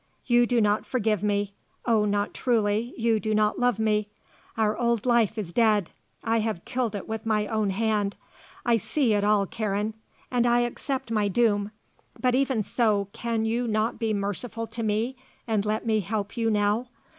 You do not forgive me oh, not truely you do not love me. Our old life is dead. I have killed it with my own hand. I see it all, Karen. And I accept my doom. But even so, can you not be merciful to me and let me help you now?